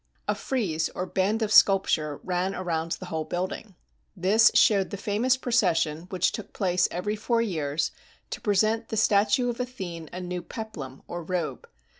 A frieze, or band of sculpture, ran around the whole building. This showed the famous procession which took place every four years to present to the statue of Athene a new peplum, or robe.